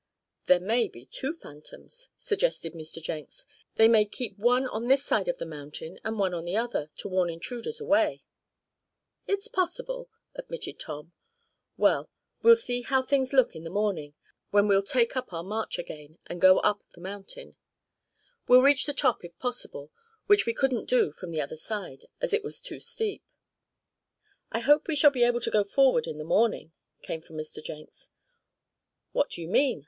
"There may be two phantoms," suggested Mr. Jenks. "They may keep one on this side of the mountain, and one on the other, to warn intruders away. "It's possible," admitted Tom. "Well, we'll see how things look in the morning, when we'll take up our march again, and go up the mountain. We'll reach the top, if possible, which we couldn't do from the other side, as it was too steep." "I hope we shall be able to go forward in the morning," came from Mr. Jenks. "What do you mean?"